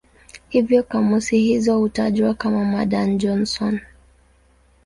Hivyo kamusi hizo hutajwa kama "Madan-Johnson".